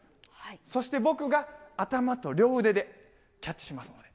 そして僕が頭と両腕でキャッチしますので。